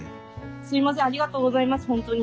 すいませんありがとうございますほんとに。